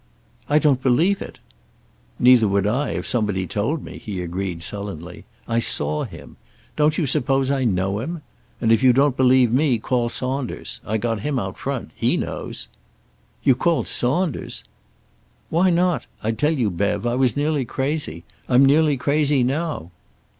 "I don't believe it." "Neither would I, if somebody told me," he agreed sullenly. "I saw him. Don't you suppose I know him? And if you don't believe me, call Saunders. I got him out front. He knows." "You called Saunders!" "Why not? I tell you, Bev, I was nearly crazy. I'm nearly crazy now."